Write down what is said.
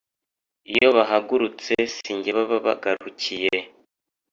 Iyo bagarutse, si jye baba bagarukiye,